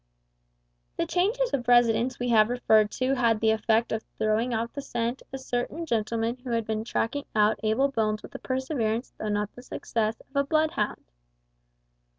The changes of residence we have referred to had the effect of throwing off the scent a certain gentleman who had been tracking out Abel Bones with the perseverance, though not the success, of a bloodhound.